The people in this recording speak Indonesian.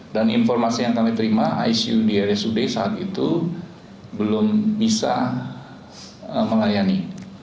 dan informasi yang kami terima icu di rsud saat itu belum bisa melayani